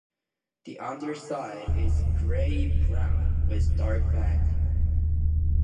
The underside is grey-brown with dark bands.